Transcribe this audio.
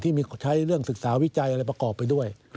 ใช้เรื่องศึกษาวิจัยอะไรประกอบไปด้วย